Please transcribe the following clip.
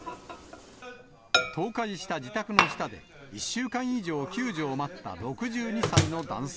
倒壊した自宅の下で、１週間以上救助を待った６２歳の男性。